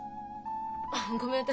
あっごめん。